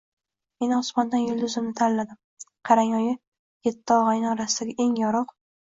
Men osmondan yulduzimni tanladim. Qarang, oyi, Yetti og'ayni orasidagi eng yorug'